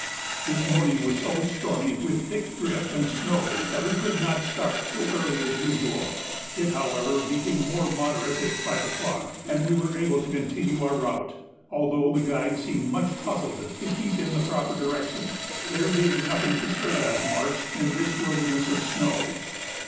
This morning was so stormy, with thick drift and snow, that we could not start so early as usual; it however became more moderate at 5 o'clock, and we were able to continue our route, although the guide seemed much puzzled to keep in the proper direction, there being nothing to serve as marks in this wilderness of snow.